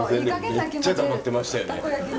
めっちゃ黙ってましたよね。